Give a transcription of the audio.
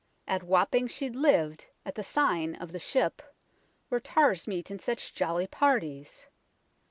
At Wapping she liv'd, at the sign of the Ship, Where tars meet in such jolly parties.